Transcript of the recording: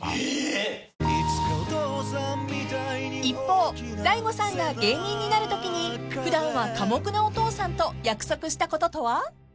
［一方大悟さんが芸人になるときに普段は寡黙なお父さんと約束したこととは？］